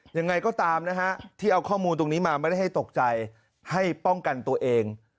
ยังไงก็ตามนะฮะที่เอาข้อมูลตรงนี้มาไม่ได้ให้ตกใจให้ป้องกันตัวเอง